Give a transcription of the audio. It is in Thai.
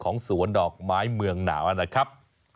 สวนดอกไม้เมืองหนาวนะครับ